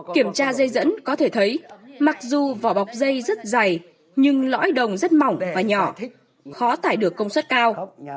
kiểm tra dây dẫn có thể thấy mặc dù vỏ bọc dây rất dày nhưng lõi đồng rất mỏng và nhỏ khó thải được công suất cao